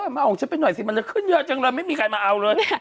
มาเอาของฉันไปหน่อยสิมันเหลือขึ้นยาจังแล้วไม่มีใครมาเอาเลย